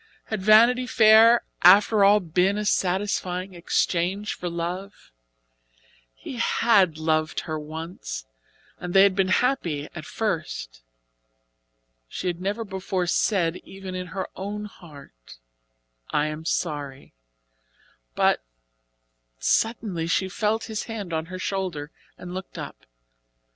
Had Vanity Fair after all been a satisfying exchange for love? He had loved her once, and they had been happy at first. She had never before said, even in her own heart: "I am sorry," but suddenly, she felt his hand on her shoulder, and looked up.